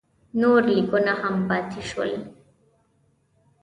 نور لیکونه هم پیدا شول.